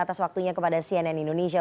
atas waktunya kepada cnn indonesia